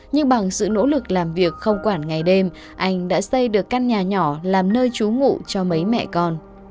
nhưng bằng sự nỗ lực làm việc không quản ngày đêm anh đã xây được căn nhà nhỏ làm nơi trú ngụ cho mấy mẹ con